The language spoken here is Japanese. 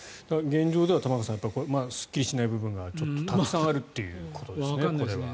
現状では、玉川さんすっきりしない部分がちょっとたくさんあるということですね。